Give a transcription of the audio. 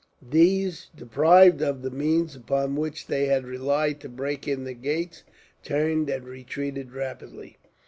These, deprived of the means upon which they had relied to break in the gates, turned and retreated rapidly.